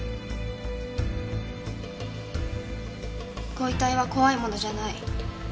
ご遺体は怖いものじゃない。